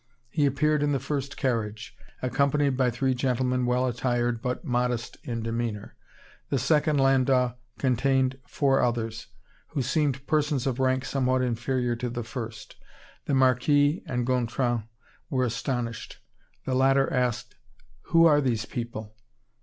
He appeared in the first carriage, accompanied by three gentlemen well attired but modest in demeanor. The second landau contained four others, who seemed persons of rank somewhat inferior to the first. The Marquis and Gontran were astonished. The latter asked: "Who are these people?"